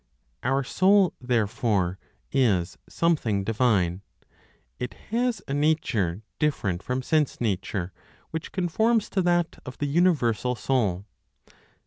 Our soul, therefore, is something divine; it has a nature different (from sense nature), which conforms to that of the universal Soul.